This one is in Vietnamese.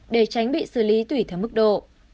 để tránh bị xử lý tùy theo mức độ